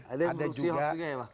ada yang memproduksi hoax juga ya pak